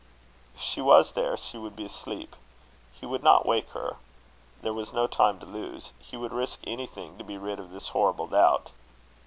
If she was there, she would be asleep. He would not wake her. There was no time to lose. He would risk anything, to be rid of this horrible doubt.